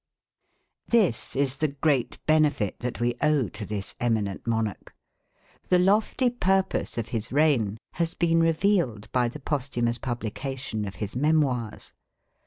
This is the great benefit that we owe to this eminent monarch. The lofty purpose of his reign has been revealed by the posthumous publication of his memoirs.